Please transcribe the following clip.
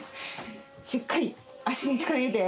しっかり脚に力入れて。